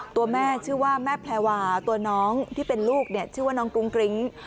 ตัวแม่ชื่อว่าแม่แพรวาตัวน้องที่เป็นลูกชื่อว่าน้องกรุงกริ้ง